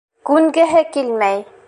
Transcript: Күнгеһе килмәй.